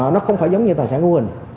nó không phải giống như tài sản hữu hình